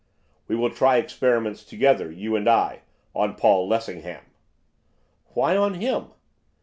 'We will try experiments together, you and I, on Paul Lessingham.' 'Why on him?